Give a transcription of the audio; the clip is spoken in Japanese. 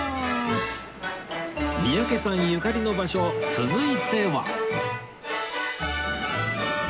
三宅さんゆかりの場所続いては